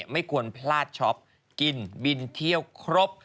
ไม่ควรพลาดช็อปกินบินเที่ยวครบ